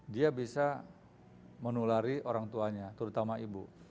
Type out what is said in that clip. dia bisa menulari orang tuanya terutama ibu